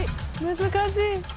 難しい。